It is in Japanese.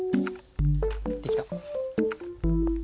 できた。